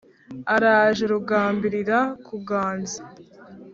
araje rugambirira kuganza